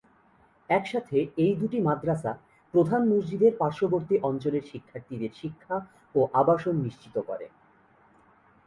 একসাথে এই দুটি মাদ্রাসা, প্রধান মসজিদের পার্শ্ববর্তী অঞ্চলের শিক্ষার্থীদের শিক্ষা ও আবাসন নিশ্চিত করে।